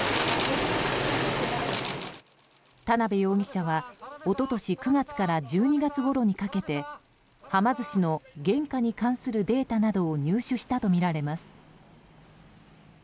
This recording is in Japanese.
田邊容疑者は一昨年９月から１２月ごろにかけてはま寿司の原価に関するデータなどを入手したとみられます。